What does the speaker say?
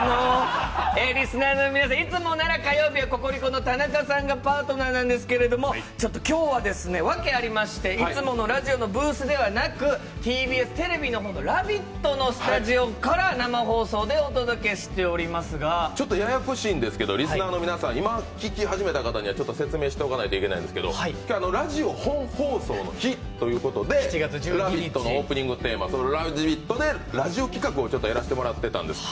リスナーの皆さん、いつもなら、ココリコ・田中さんがパートナーなんですけれども、ちょっと今日はワケありまして、いつものラジオのブースではなくＴＢＳテレビの方の「ラヴィット！」のスタジオから生放送でお届けしておりますがちょっとややこしいんですけど、リスナーの皆さん、今、聞き始めた方には説明しておかなきゃいけないんですけど今日はラジオ本放送の日ということで「ラヴィット！」のオープニングテーマ「ラヴィット！」でラジオ企画をやらせてもらってたんです。